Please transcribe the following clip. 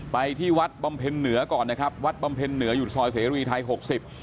ไปที่วัดบำเพ็ญเหนือก่อนนะครับวัดบำเพ็ญเหนืออยู่ซอยเสรีไทยหกสิบ